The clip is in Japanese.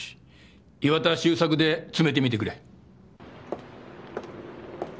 岩田修作で詰めてみてくれ。